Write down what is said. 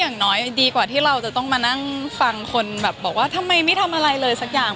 อย่างน้อยดีกว่าที่เราจะต้องมานั่งฟังคนแบบบอกว่าทำไมไม่ทำอะไรเลยสักอย่าง